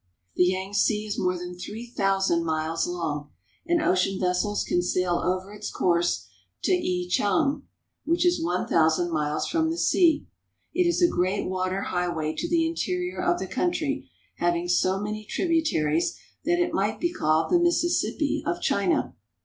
The Yangtze is more than three thousand miles long, and ocean vessels can sail over its course to Ichang (e chang'), which is one thousand miles from the sea. It is a great water highway to the interior of the country, having so many tributaries that it might be called the Mississippi of China.